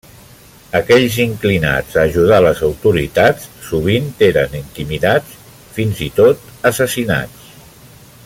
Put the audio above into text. Aquells inclinats a ajudar les autoritats sovint eren intimidats, fins i tot assassinats.